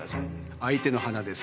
相手の鼻です。